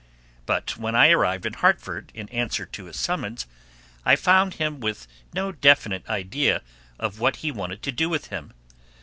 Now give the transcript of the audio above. But when I arrived in Hartford in answer to his summons, I found him with no definite idea of what he wanted to do with him.